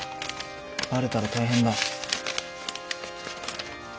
バレたら大変だ。